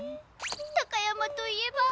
高山といえば。